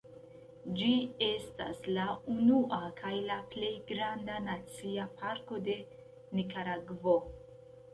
Ĝi estas la unua kaj la plej granda nacia parko de Nikaragvo.